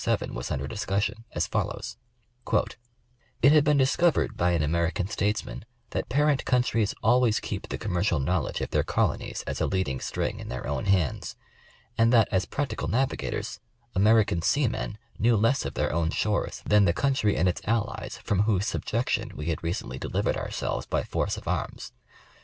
was under discussion, as follows :" It had been discovered by an American statesman that parent countries always keep the commercial knowledge of their colo nies as a leading string in their own hands, and that as practical navigators, American seamen knew less of their own shores than the country and its allies from whose subjection we had recently delivered ourselves by force of arms.